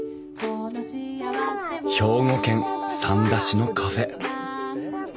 兵庫県三田市のカフェ。